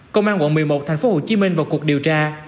công an quận một mươi một tp hcm vào cuộc điều tra